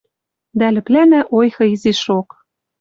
Дӓ лӹплӓнӓ ойхы изишок: